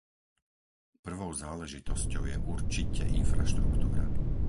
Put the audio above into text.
Prvou záležitosťou je určite infraštruktúra.